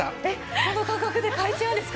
この価格で買えちゃうんですか？